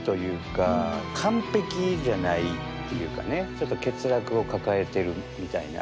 ちょっと欠落を抱えてるみたいな。